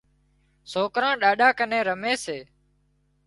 سوڪران ڏاڏا ڪنين رمي سي